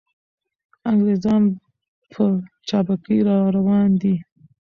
انګریزان په چابکۍ را روان دي.